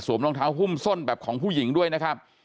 รองเท้าหุ้มส้นแบบของผู้หญิงด้วยนะครับ